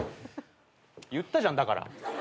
言ったじゃんだから。